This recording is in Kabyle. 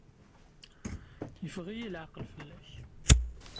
Yeffeɣ-iyi leɛqel fell-ak.